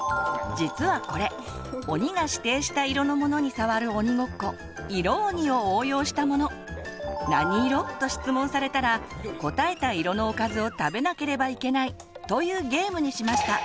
実はこれ鬼が指定した色のものに触る鬼ごっこ「なに色？」と質問されたら答えた色のおかずを食べなければいけないというゲームにしました。